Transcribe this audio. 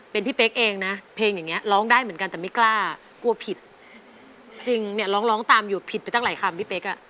เป็นพี่เป๊กเองนะเพลงอย่างนี้ร้องได้เหมือนกันแต่ไม่กล้ากลัวผิดจริงเนี่ยร้องร้องตามอยู่ผิดไปตั้งหลายคำพี่เป๊กอ่ะ